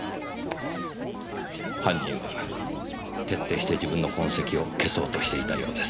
犯人は徹底して自分の痕跡を消そうとしていたようです。